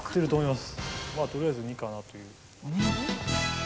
まあ、とりあえず２かなという。